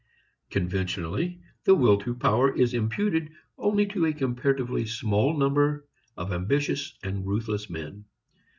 Conventionally the will to power is imputed only to a comparatively small number of ambitious and ruthless men.